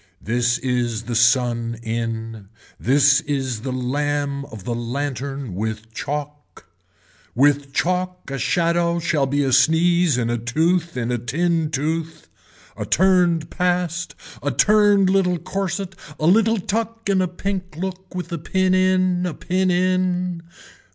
This is the sun in. This is the lamb of the lantern with chalk. With chalk a shadow shall be a sneeze in a tooth in a tin tooth, a turned past, a turned little corset, a little tuck in a pink look and with a pin in, a pin in.